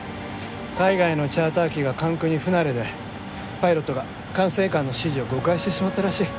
海外のチャーター機が関空に不慣れでパイロットが管制官の指示を誤解してしまったらしい。